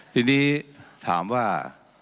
ทีนี้ถามว่า